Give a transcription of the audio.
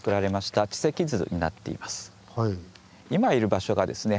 今いる場所がですね